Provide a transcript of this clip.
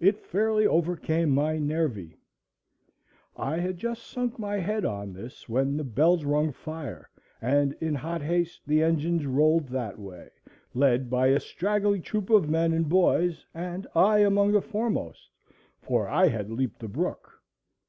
It fairly overcame my Nervii. I had just sunk my head on this when the bells rung fire, and in hot haste the engines rolled that way, led by a straggling troop of men and boys, and I among the foremost, for I had leaped the brook.